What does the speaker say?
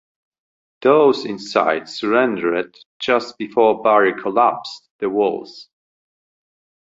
Those inside surrendered just before Barry collapsed the walls.